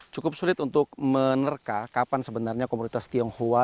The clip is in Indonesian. cukup sulit untuk menerka kapan sebenarnya komunitas tionghoa